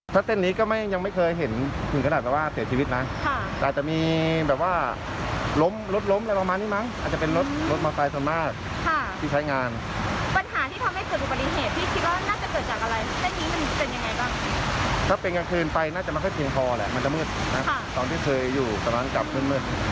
มันก็มีเชิงพอแหละมันจะมืดตอนที่เคยอยู่กำลังรายขึ้นมืด